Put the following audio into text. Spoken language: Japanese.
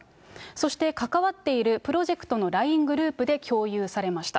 そして、関わっているプロジェクトのＬＩＮＥグループで共有されました。